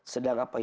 sedang apa ya